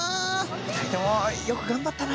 ２人ともよく頑張ったな。